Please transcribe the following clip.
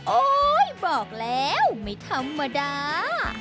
บอกแล้วไม่ธรรมดา